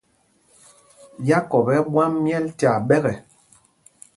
Yákɔp ɛ́ ɛ́ ɓwam myɛl tyaa ɓɛ́kɛ.